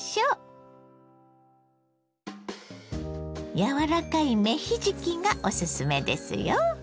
柔らかい芽ひじきがおすすめですよ。